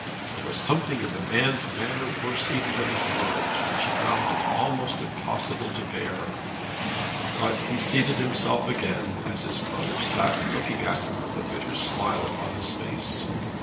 There was something in the man's manner worse even than his words which he found it almost impossible to bear. But he seated himself again as his brother sat looking at him with a bitter smile upon his face.